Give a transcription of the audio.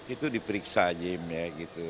itu diperiksa gym ya gitu